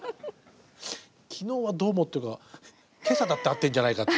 「昨日はどうも」っていうのは今朝だって会ってるんじゃないかって。